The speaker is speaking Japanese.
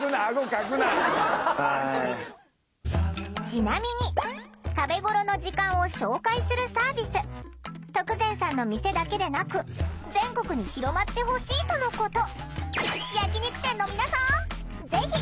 ちなみに食べごろの時間を紹介するサービス徳善さんの店だけでなく全国に広まってほしいとのこと。